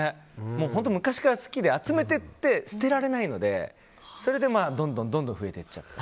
本当昔から好きで集めていって捨てられないので、それでどんどん増えていっちゃって。